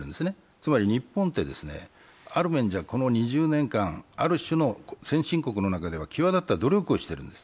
つまり日本って、ある面じゃこの２０年間、ある種の先進国の中では際立った努力をしているんです。